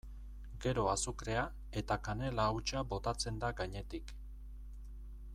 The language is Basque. Gero azukrea eta kanela hautsa botatzen da gainetik.